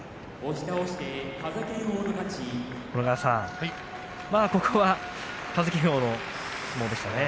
小野川さん、ここは風賢央の相撲でしたね。